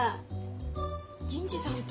銀次さんと？